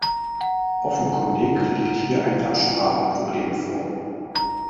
Offenkundig liegt hier ein Abspracheproblem vor.